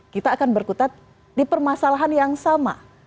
kita akan berkutat di permasalahan yang sama